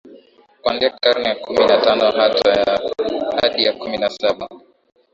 kuanzia karne ya kumi na tano hadi ya kumi na saba